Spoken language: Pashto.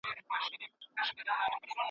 بد انسان تل نورو ته وېره ورکوي